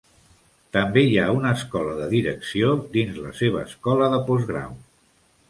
També hi ha una escola de direcció dins la seva escola de posgrau.